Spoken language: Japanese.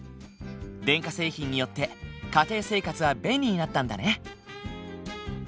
電化製品によって家庭生活は便利になったんだね。